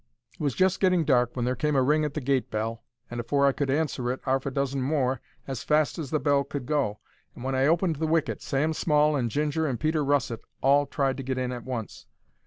It was just getting dark when there came a ring at the gate bell, and afore I could answer it arf a dozen more, as fast as the bell could go. And when I opened the wicket Sam Small and Ginger and Peter Russet all tried to get in at once.